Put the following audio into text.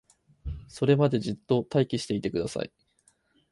それまでじっと待機していてください